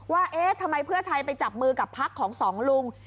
เอ๊ะทำไมเพื่อไทยไปจับมือกับพักของสองลุง